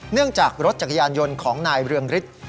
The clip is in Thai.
จากรถจักรยานยนต์ของนายเรืองฤทธิ์